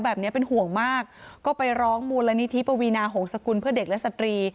แบบนี้เป็นห่วงมากก็ไปร้องมูลนิธิปวีนาหงษกุลเพื่อเด็กและสตรี